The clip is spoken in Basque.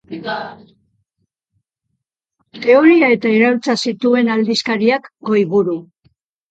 Teoria eta iraultza zituen aldizkariak goiburu.